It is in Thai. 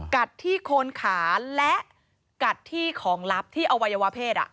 กัดที่โคนขาและกัดที่ของลับที่อวัยวะเพศ